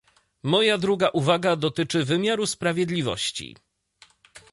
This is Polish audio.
Moja druga uwaga dotyczy wymiaru sprawiedliwości